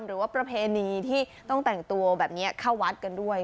ประเพณีที่ต้องแต่งตัวแบบนี้เข้าวัดกันด้วย